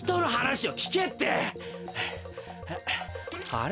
あれ？